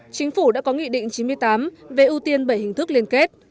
chính phủ đã có nghị định chín mươi tám về ưu tiên bảy hình thức liên kết